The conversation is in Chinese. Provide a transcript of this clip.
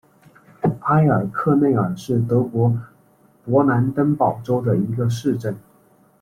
埃尔克内尔是德国勃兰登堡州的一个市镇。